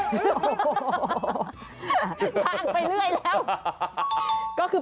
ย่างไปเรื่อยแล้ว